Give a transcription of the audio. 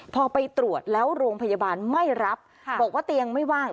พอไปตรวจแล้วโรงพยาบาลไม่รับบอกว่าเตียงไม่ว่าง